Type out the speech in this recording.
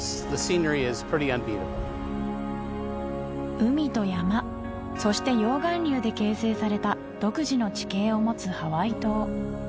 海と山そして溶岩流で形成された独自の地形を持つハワイ島